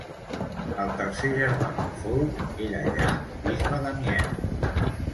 El tercer germà, Folc, era ja bisbe d'Amiens.